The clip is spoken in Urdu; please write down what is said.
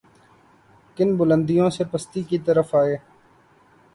کن بلندیوں سے پستی کی طرف آئے۔